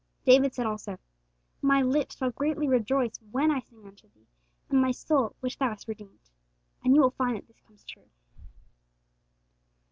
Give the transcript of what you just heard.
David said also, 'My lips shall greatly rejoice when I sing unto Thee, and my soul, which Thou hast redeemed.' And you will find that this comes true.